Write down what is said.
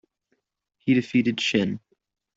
He defeated Shinn.